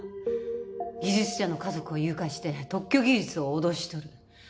技術者の家族を誘拐して特許技術を脅し取る。